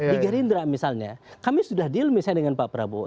di gerindra misalnya kami sudah diilmi saya dengan pak prabowo